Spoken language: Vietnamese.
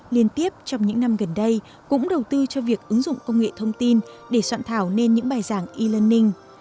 liên tiếp trong những năm gần đây cũng đầu tư cho việc ứng dụng công nghệ thông tin để soạn thảo nên những bài giảng e learning